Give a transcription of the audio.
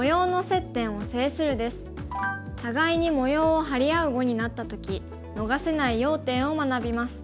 互いに模様を張り合う碁になった時逃せない要点を学びます。